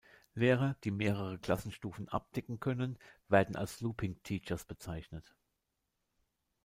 Lehrer, die mehrere Klassenstufen abdecken können, werden als "looping teachers" bezeichnet.